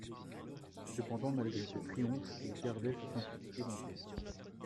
Cependant malgré ces triomphes il gardait sa simplicité d'enfant.